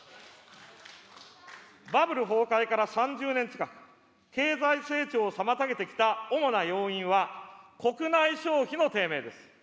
バブル崩壊から３０年近く、経済成長を妨げてきた主な要因は、国内消費の低迷です。